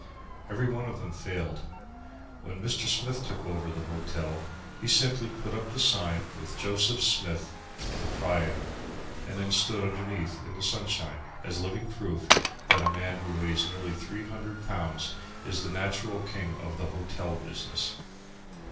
Every one of them failed. When Mr. Smith took over the hotel he simply put up the sign with "JOS. SMITH, PROP.," and then stood underneath in the sunshine as a living proof that a man who weighs nearly three hundred pounds is the natural king of the hotel business.